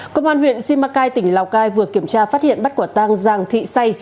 công an huyện simacai tỉnh lào cai vừa kiểm tra phát hiện bắt quả tang giàng thị say